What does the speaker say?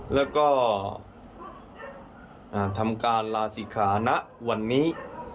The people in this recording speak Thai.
แล้วก็ทำการลาศิขาณะวันนี้